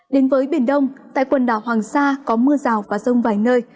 đến với biển đông tại quần đảo hoàng sa có mưa rào và rông vài nơi